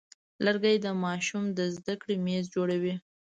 لرګی د ماشوم د زده کړې میز جوړوي.